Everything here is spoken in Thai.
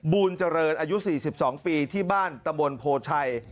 บูลเจริญอยู่๔๒ปีที่บ้านตะมวลโพชัย